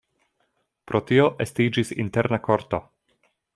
Pro tio estiĝis interna korto.